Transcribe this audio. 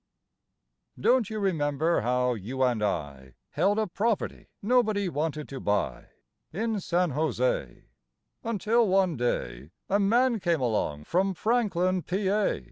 Don't you remember how you and I Held a property nobody wanted to buy In San José, Until one day A man came along from Franklin, Pa.?